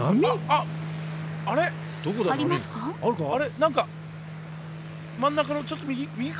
何か真ん中のちょっと右か？